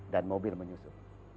dan mobil menyusun